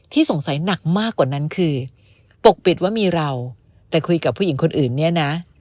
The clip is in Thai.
สงสัยหนักมากกว่านั้นคือปกปิดว่ามีเราแต่คุยกับผู้หญิงคนอื่นเนี่ยนะ